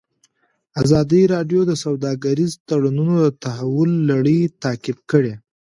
ازادي راډیو د سوداګریز تړونونه د تحول لړۍ تعقیب کړې.